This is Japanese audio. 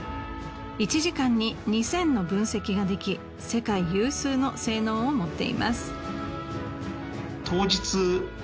１時間に２，０００の分析ができ世界有数の性能を持っています。